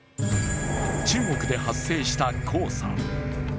中国で発生した黄砂。